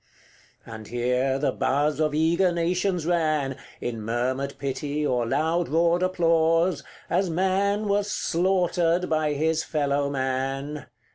CXXXIX. And here the buzz of eager nations ran, In murmured pity, or loud roared applause, As man was slaughtered by his fellow man.